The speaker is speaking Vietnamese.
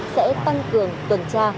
sẽ tăng cường tuần tra